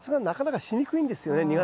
なかなかしにくいんですよね